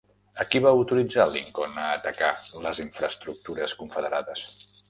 A qui va autoritzar Lincoln a atacar les infraestructures confederades?